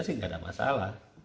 tidak ada masalah